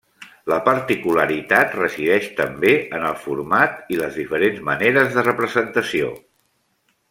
La particularitat resideix, també, en el format i les diferents maneres de representació.